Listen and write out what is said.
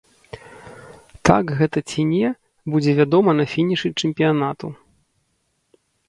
Так гэта ці не, будзе вядома на фінішы чэмпіянату.